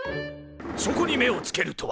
そこに目をつけるとは。